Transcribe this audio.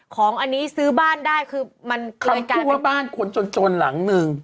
ของอันนี้ซื้อบ้านได้คือมันเกิดการเป็นคำตัวบ้านคนจนหลังนึง